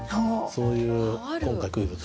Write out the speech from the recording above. そういう今回クイズです。